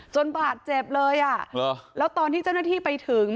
บาดเจ็บเลยอ่ะแล้วตอนที่เจ้าหน้าที่ไปถึง